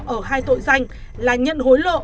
ở hai tội danh là nhận hối lộ